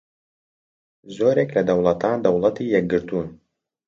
زۆرێک لە دەوڵەتان دەوڵەتی یەکگرتوون